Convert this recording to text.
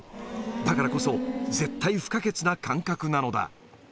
だからこそ、絶対不可欠な感覚なのだ。